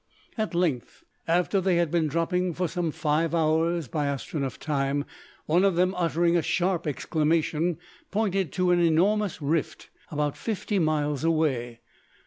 At length, after they had been dropping for some five hours by Astronef time, one of them, uttering a sharp exclamation, pointed to an enormous rift about fifty miles away.